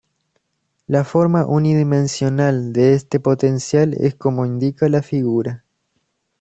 La forma unidimensional de este potencial es como indica la figura.